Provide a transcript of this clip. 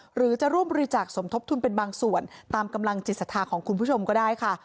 หรือจะร่วมบริจาคสมทบทุนเป็นบางส่วนตามกำลังจิตศรัทธาของคุณผู้ชมก็ได้ค่ะ